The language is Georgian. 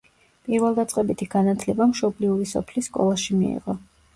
პირველდაწყებითი განათლება მშობლიური სოფლის სკოლაში მიიღო.